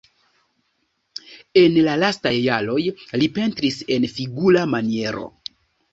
En la lastaj jaroj li pentris en figura maniero.